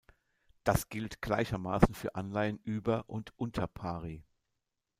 Das gilt gleichermaßen für Anleihen über und unter pari.